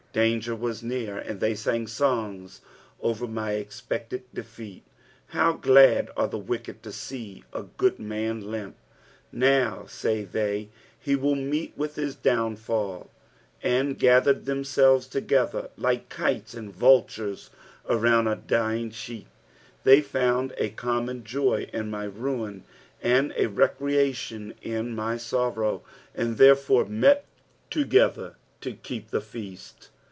Danger was near, ana the; sang songs over my expected defeat. How glad are the wicked to see a good man limp I " Kow," say they, " he will meet with his downfall." " Ajid gathered themaeleet togetker," like kites and vultures around a dying sheep. They found a common joy in my ruin, and a recreation in my sorrow, and therefore met together to keep the feast.